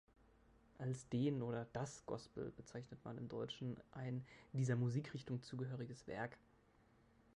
Als den oder das Gospel bezeichnet man im Deutschen ein dieser Musikrichtung zugehöriges Werk.